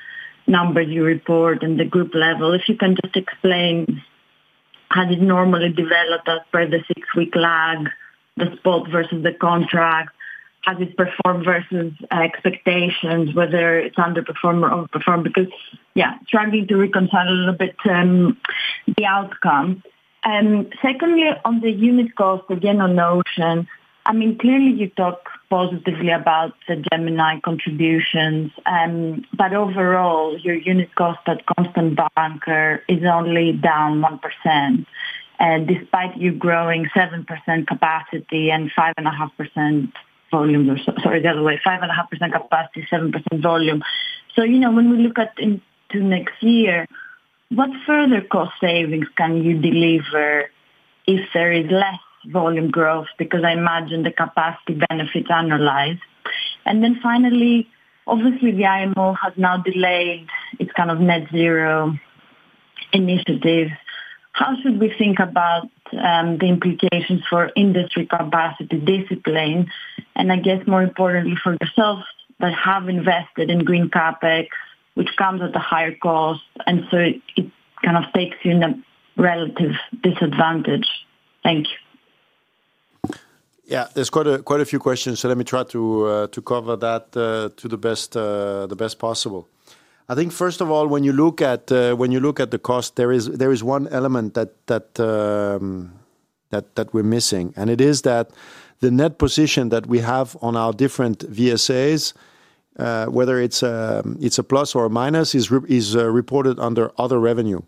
numbers you report and the group level. If you can just explain how did normally develop as for the six-week lag, the spot versus the contract, how did it perform versus expectations, whether it's underperformed or performed? Because, yeah, trying to reconcile a little bit the outcome. And secondly, on the unit cost, again, on notion, I mean, clearly you talk positively about the Gemini contributions, but overall, your unit cost at constant bunker is only down 1%. Despite you growing 7% capacity and 5.5% volume, sorry, the other way, 5.5% capacity, 7% volume. So when we look at next year, what further cost savings can you deliver if there is less volume growth? Because I imagine the capacity benefits analyzed. Finally, obviously, the IMO has now delayed its kind of net zero initiative. How should we think about the implications for industry capacity discipline? I guess more importantly for yourself that have invested in green CapEx, which comes at a higher cost, and so it kind of takes you in a relative disadvantage. Thank you. Yeah, there's quite a few questions, so let me try to cover that to the best possible. I think first of all, when you look at the cost, there is one element that we're missing, and it is that the net position that we have on our different VSAs, whether it's a plus or a minus, is reported under other revenue.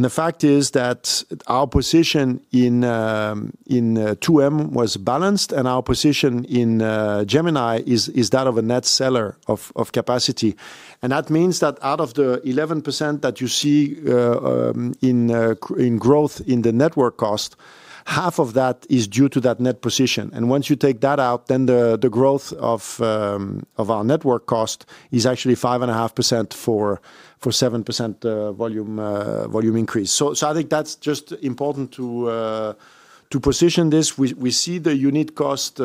The fact is that our position in 2M was balanced, and our position in Gemini is that of a net seller of capacity. That means that out of the 11% that you see in growth in the network cost, half of that is due to that net position. Once you take that out, then the growth of our network cost is actually 5.5% for a 7% volume increase. I think that's just important to position this. We see the unit cost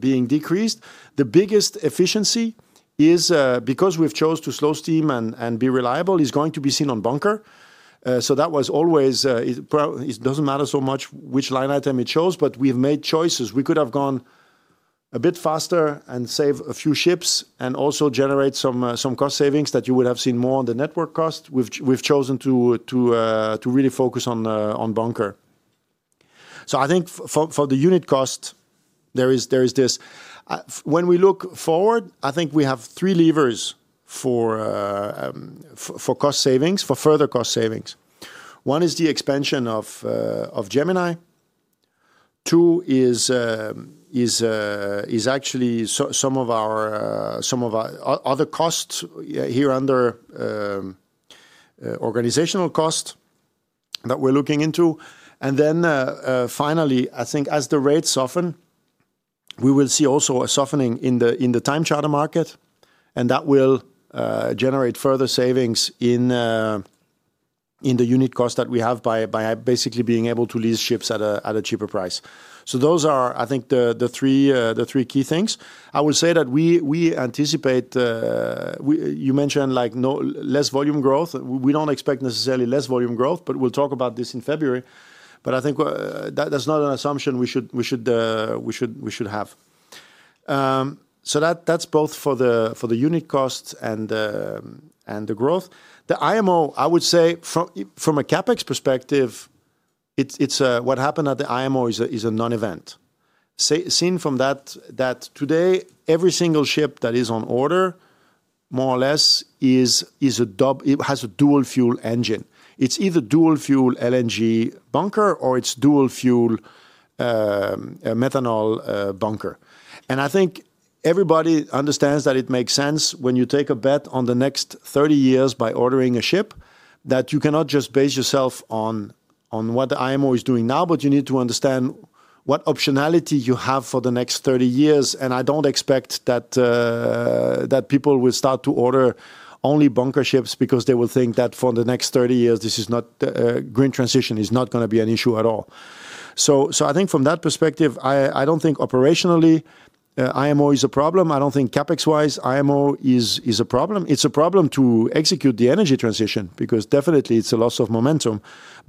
being decreased. The biggest efficiency is because we have chosen to slow steam and be reliable, is going to be seen on bunker. That was always. It does not matter so much which line item it shows, but we have made choices. We could have gone a bit faster and saved a few ships and also generated some cost savings that you would have seen more on the network cost. We have chosen to really focus on bunker. I think for the unit cost, there is this. When we look forward, I think we have three levers for cost savings, for further cost savings. One is the expansion of Gemini. Two is actually some of our other costs here under organizational cost that we are looking into. Then finally, I think as the rates soften, we will see also a softening in the time charter market, and that will generate further savings in. The unit cost that we have by basically being able to lease ships at a cheaper price. Those are, I think, the three key things. I will say that we anticipate. You mentioned less volume growth. We do not expect necessarily less volume growth, but we will talk about this in February. I think that is not an assumption we should have. That is both for the unit cost and the growth. The IMO, I would say from a CapEx perspective. What happened at the IMO is a non-event. Seen from that today, every single ship that is on order, more or less, has a dual fuel engine. It is either dual fuel LNG bunker or it is dual fuel methanol bunker. I think everybody understands that it makes sense when you take a bet on the next 30 years by ordering a ship, that you cannot just base yourself on. What the IMO is doing now, but you need to understand what optionality you have for the next 30 years. I don't expect that people will start to order only bunker ships because they will think that for the next 30 years, this green transition is not going to be an issue at all. I think from that perspective, I don't think operationally IMO is a problem. I don't think CapEx-wise IMO is a problem. It's a problem to execute the energy transition because definitely it's a loss of momentum.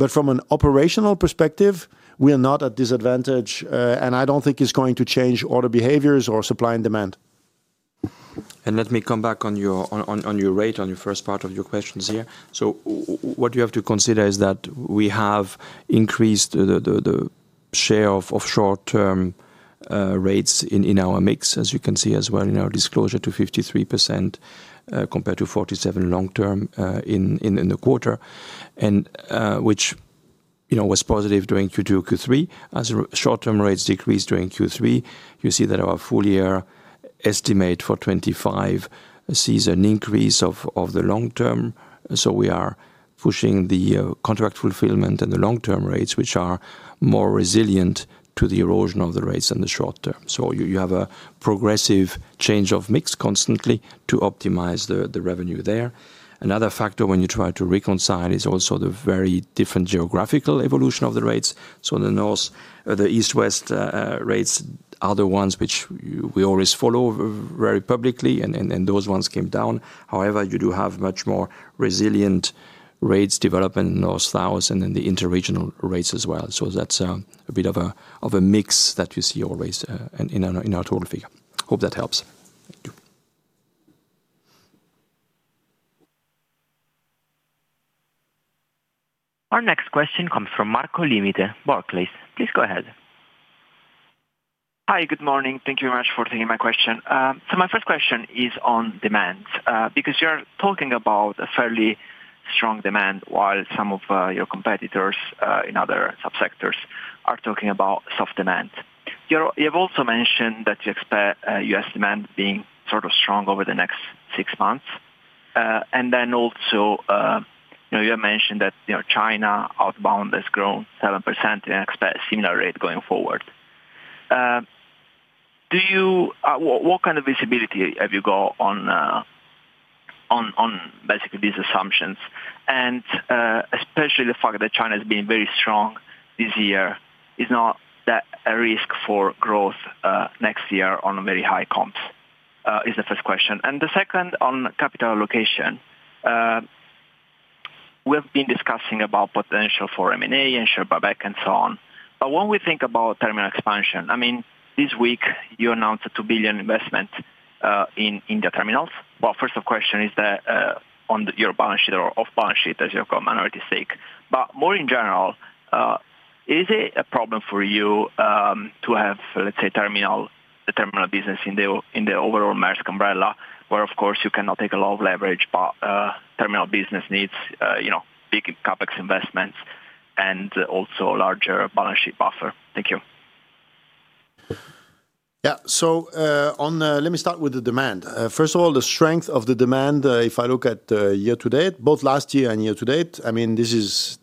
From an operational perspective, we are not at disadvantage, and I don't think it's going to change order behaviors or supply and demand. Let me come back on your rate, on your first part of your questions here. What you have to consider is that we have increased the share of short-term. Rates in our mix, as you can see as well in our disclosure, to 53%. Compared to 47% long-term in the quarter, which was positive during Q2, Q3. As short-term rates decreased during Q3, you see that our full-year estimate for 2025 sees an increase of the long-term. We are pushing the contract fulfillment and the long-term rates, which are more resilient to the erosion of the rates in the short-term. You have a progressive change of mix constantly to optimize the revenue there. Another factor when you try to reconcile is also the very different geographical evolution of the rates. The east-west rates are the ones which we always follow very publicly, and those ones came down. However, you do have much more resilient rates developing in the north-south and in the interregional rates as well. That's a bit of a mix that you see always in our total figure. Hope that helps. Thank you. Our next question comes from Marco Limite, Barclays. Please go ahead. Hi, good morning. Thank you very much for taking my question. My first question is on demand because you're talking about a fairly strong demand while some of your competitors in other subsectors are talking about soft demand. You have also mentioned that you expect U.S. demand being sort of strong over the next six months. You have mentioned that China outbound has grown 7% and a similar rate going forward. What kind of visibility have you got on basically these assumptions? Especially the fact that China has been very strong this year, is not that a risk for growth next year on very high comps? That is the first question. The second is on capital allocation. We have been discussing about potential for M&A and share buyback and so on. When we think about terminal expansion, I mean, this week you announced a $2 billion investment in the terminals. First question, is that on your balance sheet or off-balance sheet, as your comment already stated? More in general, is it a problem for you to have, let's say, terminal business in the overall Maersk umbrella, where of course you cannot take a lot of leverage, but terminal business needs big CapEx investments and also a larger balance sheet buffer? Thank you. Yeah, let me start with the demand. First of all, the strength of the demand, if I look at year to date, both last year and year to date, I mean, this is.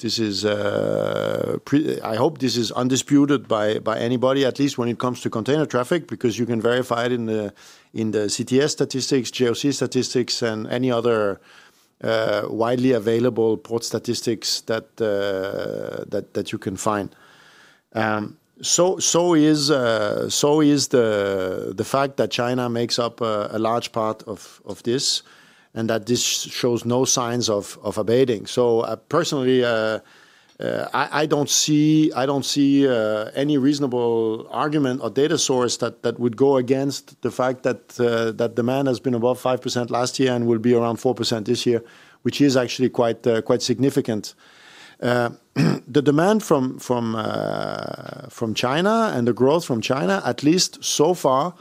I hope this is undisputed by anybody, at least when it comes to container traffic, because you can verify it in the CTS statistics, GOC statistics, and any other widely available port statistics that you can find. Is the fact that China makes up a large part of this and that this shows no signs of abating. Personally, I do not see any reasonable argument or data source that would go against the fact that demand has been above 5% last year and will be around 4% this year, which is actually quite significant. The demand from China and the growth from China, at least so far,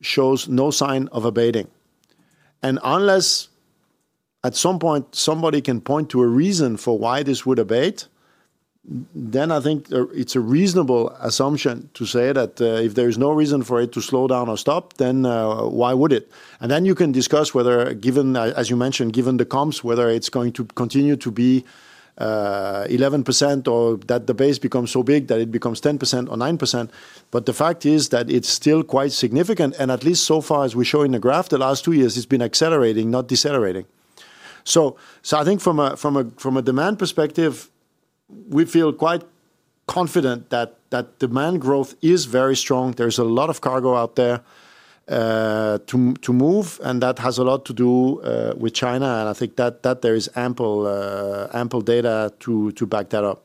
shows no sign of abating. Unless. At some point somebody can point to a reason for why this would abate. I think it's a reasonable assumption to say that if there is no reason for it to slow down or stop, then why would it? You can discuss whether, given, as you mentioned, given the comps, whether it's going to continue to be 11% or that the base becomes so big that it becomes 10% or 9%. The fact is that it's still quite significant. At least so far, as we show in the graph, the last two years, it's been accelerating, not decelerating. I think from a demand perspective, we feel quite confident that demand growth is very strong. There's a lot of cargo out there to move, and that has a lot to do with China. I think that there is ample data to back that up.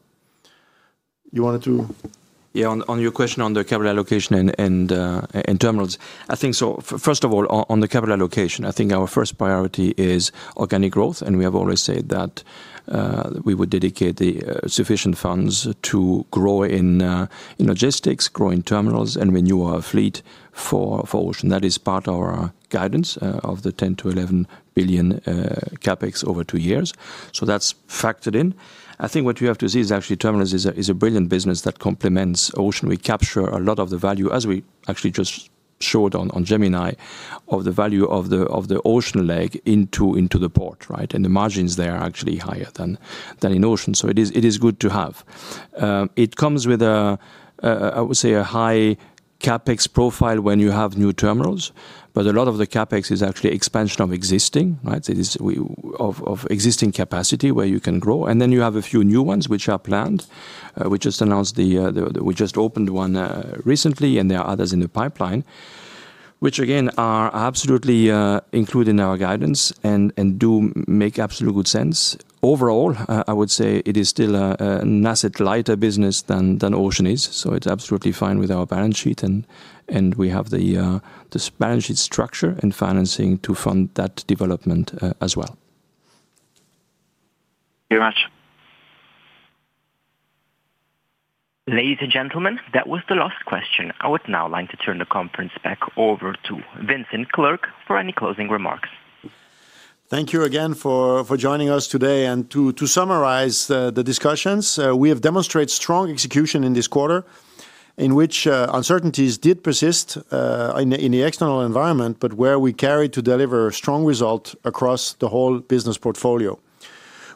You wanted to? Yeah, on your question on the capital allocation and terminals, I think so. First of all, on the capital allocation, I think our first priority is organic growth. We have always said that. We would dedicate the sufficient funds to grow in Logistics, grow in Terminals, and renew our fleet for Ocean. That is part of our guidance of the $10 billion-$11 billion CapEx over two years. That is factored in. I think what you have to see is actually Terminals is a brilliant business that complements Ocean. We capture a lot of the value, as we actually just showed on Gemini, of the value of the Ocean leg into the port, right? The margins there are actually higher than in Ocean. It is good to have. It comes with. I would say a high CapEx profile when you have new terminals, but a lot of the CapEx is actually expansion of existing, right? Of existing capacity where you can grow. You have a few new ones which are planned, which just announced the, we just opened one recently, and there are others in the pipeline, which again are absolutely included in our guidance and do make absolute good sense. Overall, I would say it is still an asset lighter business than Ocean is. It is absolutely fine with our balance sheet. We have the balance sheet structure and financing to fund that development as well. Thank you very much. Ladies and gentlemen, that was the last question. I would now like to turn the conference back over to Vincent Clerc for any closing remarks. Thank you again for joining us today. To summarize the discussions, we have demonstrated strong execution in this quarter in which uncertainties did persist in the external environment, but where we carried to deliver strong results across the whole business portfolio.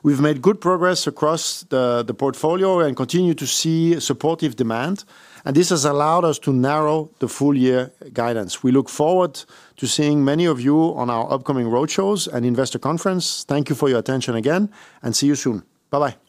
We have made good progress across the portfolio and continue to see supportive demand. This has allowed us to narrow the full-year guidance. We look forward to seeing many of you on our upcoming roadshows and investor conference. Thank you for your attention again, and see you soon. Bye-bye.